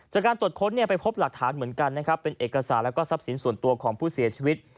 จากการตรวจค้นพบกับการลับค้าหรือเหตุสาวส่วนตัวของผู้เสียชีวิต